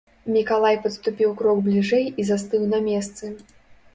Мікалай падступіў крок бліжэй і застыў на месцы.